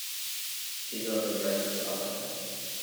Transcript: Two girls in dresses laughing.